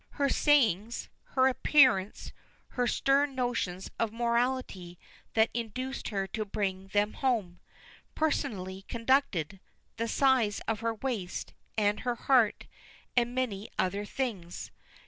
Her sayings her appearance her stern notions of morality that induced her to bring them home, "personally conducted" the size of her waist and her heart and many other things.